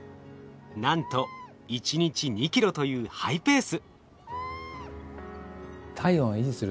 なんと１日２ｋｇというハイペース。